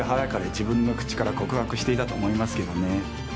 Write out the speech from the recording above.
自分の口から告白していたと思いますけどね。